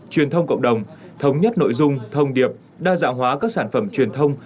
truyền thông cộng đồng thống nhất nội dung thông điệp đa dạng hóa các sản phẩm truyền thông